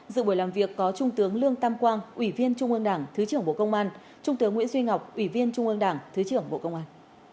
dự buổi làm việc có trung tướng lương tam quang ủy viên trung ương đảng thứ trưởng bộ công an trung tướng nguyễn duy ngọc ủy viên trung ương đảng thứ trưởng bộ công an